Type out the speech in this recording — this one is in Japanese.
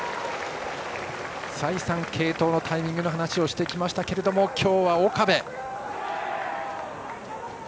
再三、継投のタイミングの話をしてきましたけれども今日は岡部。